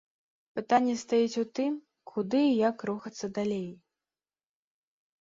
Пытанне стаіць у тым, куды і як рухацца далей.